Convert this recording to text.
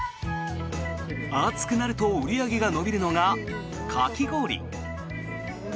暑くなると売り上げが伸びるのがかき氷。